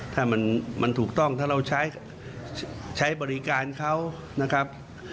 ถ้ามันถูกต้องถ้าเราใช้บริการเขานะครับ